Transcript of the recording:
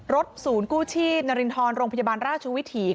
ศูนย์กู้ชีพนรินทรโรงพยาบาลราชวิถี